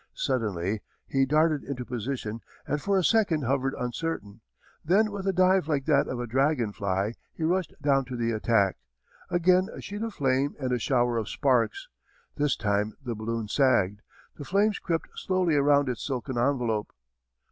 Suddenly he darted into position and for a second hovered uncertain. Then with a dive like that of a dragon fly, he rushed down to the attack. Again a sheet of flame and a shower of sparks. This time the balloon sagged. The flames crept slowly around its silken envelope.